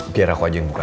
biar aku aja yang buka